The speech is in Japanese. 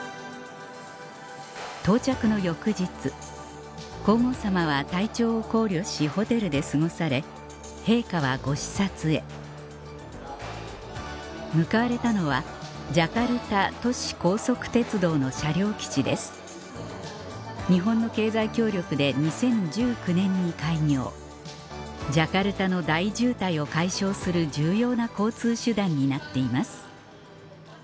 到着の翌日皇后さまは体調を考慮しホテルで過ごされ陛下はご視察へ向かわれたのは日本の経済協力で２０１９年に開業ジャカルタの大渋滞を解消する重要な交通手段になっています